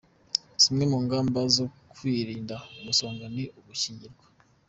Zimwe mu ngamba zo kwirinda umusonga, ni ugukingirwa,